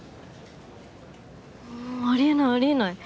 あり得ないあり得ない。